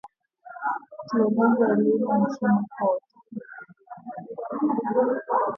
Tueneze elimu nchini kote